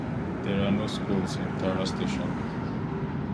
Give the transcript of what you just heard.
There are no schools in Tara Station.